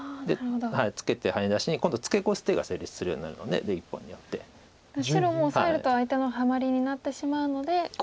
ツケてハネ出しに今度ツケコす手が成立するようになるので出１本によって。白もオサえると相手のハマリになってしまうのでコスみましたね。